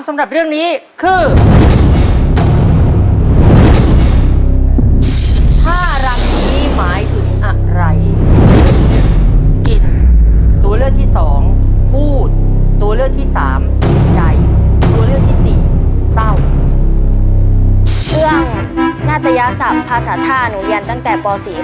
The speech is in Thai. สำหรับเรื่องนี้คือ